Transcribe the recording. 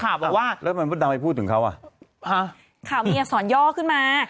เพราะว่าแล้วมันมันทำไมพูดถึงเขาอ่ะฮะขาวเมียสอนย่อขึ้นมา